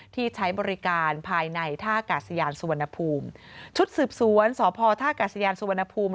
ที่ใช้บริการภายในท่ากาศยานสุวรรณภูมิชุดสืบสวนสพท่ากาศยานสุวรรณภูมิ